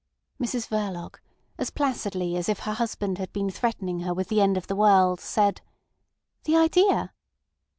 Mrs Verloc, as placidly as if her husband had been threatening her with the end of the world, said: "The idea!"